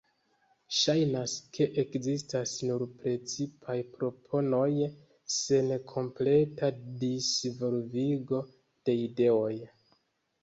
Ŝajnas ke ekzistas nur precipaj proponoj sen kompleta disvolvigo de ideoj.